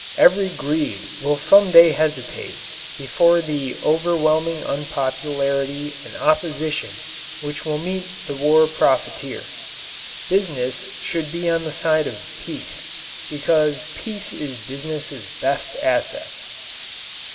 Even greed will some day hesitate before the overwhelming unpopularity and opposition which will meet the war profiteer. Business should be on the side of peace, because peace is business's best asset.